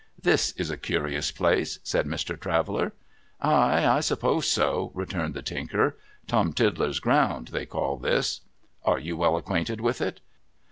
' This is a curious place,' said Mr. Traveller. ' Ay, I suppose so !' returned the Tinker. ' Tom Tiddler's ground, they call this.' ' Are you well acquainted with it